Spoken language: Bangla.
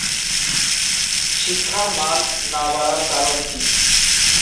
শিক্ষার মান না বাড়ার কারন কি?